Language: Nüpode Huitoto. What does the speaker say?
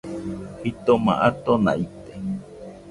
Jitoma atona ite